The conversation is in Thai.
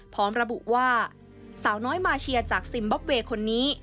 พร้อมระบุว่าสาวน้อยมาเชียจากซิมบ๊อบเวย์คนนี้